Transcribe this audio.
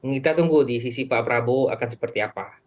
kita tunggu di sisi pak prabowo akan seperti apa